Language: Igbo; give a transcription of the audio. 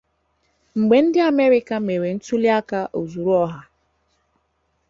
mgbe ndị Amerịka mere ntụli-aka ozuru ọha